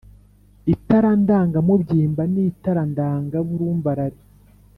itara ndangamubyimba n itara ndanga burumbarare